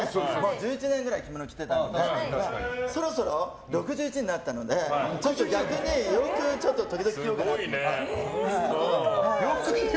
１１年くらい着物着てたので６１になったのでちょっと逆に洋服を時々着ようかなと思って。